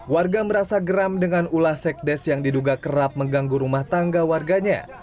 warga merasa geram dengan ulah sekdes yang diduga kerap mengganggu rumah tangga warganya